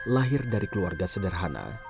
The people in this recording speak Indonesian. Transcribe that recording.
lahir dari keluarga sederhana